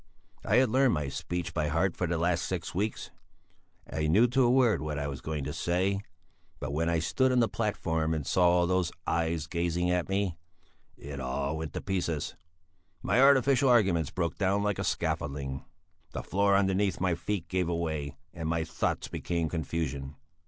I had learnt my speech by heart for the last six weeks; I knew to a word what I was going to say; but when I stood on the platform and saw all those eyes gazing at me, it all went to pieces; my artificial arguments broke down like a scaffolding; the floor underneath my feet gave way, and my thoughts became confusion.